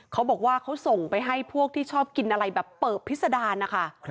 เขาบอกว่าเขาส่งไปให้พวกที่ชอบกินอะไรแบบเปิบพิษดารนะคะ